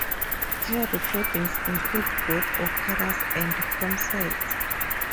Her recordings include both operas and concerts.